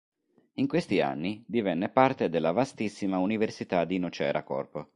In questi anni divenne parte della vastissima università di Nocera Corpo.